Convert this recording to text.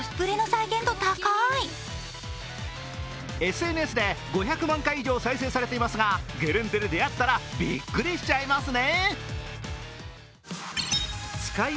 ＳＮＳで５００万回以上再生されていますがゲレンデで出会ったらびっくりしちゃいますね。